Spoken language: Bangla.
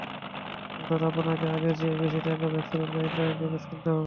অর্থাৎ আপনাকে আগের চেয়ে বেশি টাকা ফ্লেক্সিলোড করে ইন্টারনেট প্যাকেজ কিনতে হবে।